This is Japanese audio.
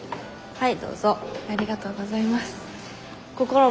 はい。